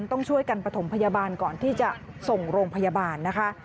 ต้องช่วยกันประถมพยาบาลก่อนที่จะส่งโรงพยาบาลนะคะ